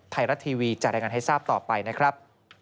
ไทยรัฐทีวีจะรายงานให้ทราบต่อไปนะครับ